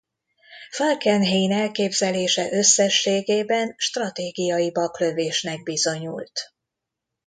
Falkenhayn elképzelése összességében stratégiai baklövésnek bizonyult.